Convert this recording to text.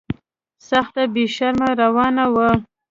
سخته بې شرمي روانه وه.